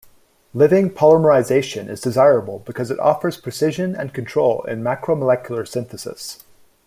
Living polymerization is desirable because it offers precision and control in macromolecular synthesis.